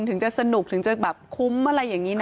ถึงจะสนุกถึงจะแบบคุ้มอะไรอย่างนี้นะ